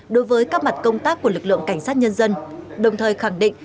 đối với các mặt công tác của lực lượng cảnh sát nhân dân đồng thời khẳng định